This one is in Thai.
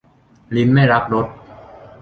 ลิ้นไม่รับรส